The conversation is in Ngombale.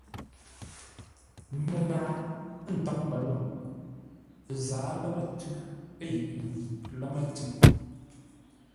Məghaa, ə́ ntə́m mbəlôŋ. Ə zǎa lámə́-tʉ́ yʉʼ yi lámə́-tʉ́.